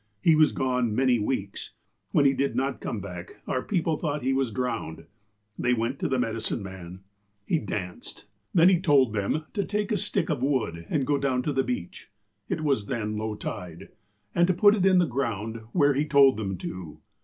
He was gone many weeks. When he did not come back, our people thought he was drowned. They went to the medicine man. He danced. THE MEDICINE MEN 99 Then lie told tliem to take a stick of wood and go down to the beach, — (it was then low tide) — and to put it in the ground, where he told them to.